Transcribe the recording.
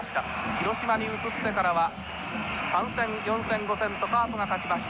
広島に移ってからは３戦４戦５戦とカープが勝ちました。